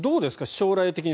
将来的に。